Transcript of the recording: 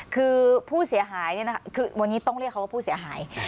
คือผู้เสียหายคือวันนี้ต้องเรียกเขาว่าผู้เสียหาย